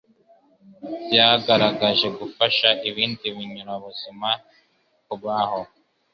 byagaragaje gufasha ibindi binyabuzima kubaho.